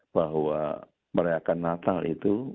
bahwa merayakan natal itu